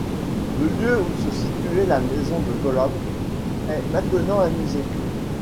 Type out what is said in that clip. Le lieu où se situait la maison de Colomb est maintenant un musée.